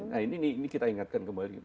nah ini kita ingatkan kembali